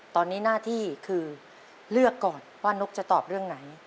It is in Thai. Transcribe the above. ตอนนี้หน้าที่คือเลือกก่อนว่านกจะตอบเรื่องไหน